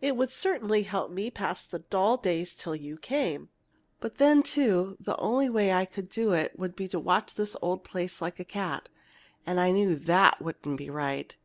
It would certainly help me to pass the dull days till you came! "But then, too, the only way to do it would be to watch this old place like a cat, and I knew that wouldn't be right.